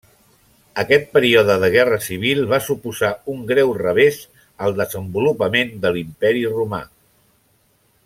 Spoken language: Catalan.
Aquest període de guerra civil va suposar un greu revés al desenvolupament de l'Imperi Romà.